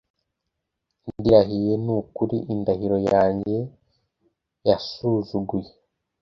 Ndirahiye ni ukuri indahiro yanjye yasuzuguye